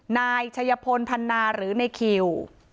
๑นายชัยพนธนาหรือในคิว